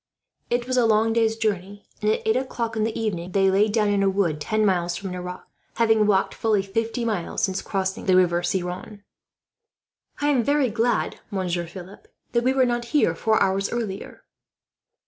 It was a long day's journey, and at eight o'clock in the evening they lay down in a wood, ten miles from Nerac; having walked fully fifty miles since crossing the river Ciron. "I am very glad, Monsieur Philip, that we were not here four hours earlier."